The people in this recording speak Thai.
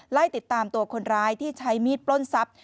ไล่ติดตามตัวคนร้ายที่ใช้มีดปล้นทรัพย์